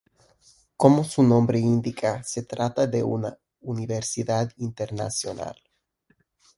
Como su nombre indica, se trata de una universidad internacional.